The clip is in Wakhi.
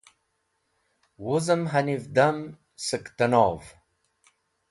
Wuzẽm haniv dam sẽk tẽnov.